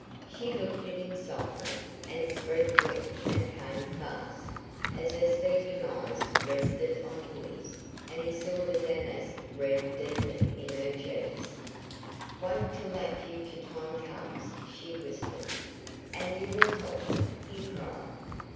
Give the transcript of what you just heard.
She looked at him softly, and his breath went and came fast, as her speaking eyes rested on his, and he saw the damask red deepen in her cheeks. "Wait till that future time comes," she whispered. "And you will help me?" he cried.